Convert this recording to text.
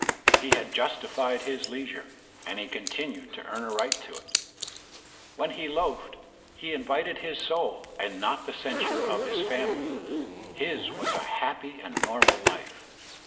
He had justified his leisure and he continued to earn a right to it. When he loafed he invited his soul and not the censure of his family. His was a happy ^nd normal life.